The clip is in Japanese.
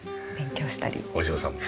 お嬢さんも。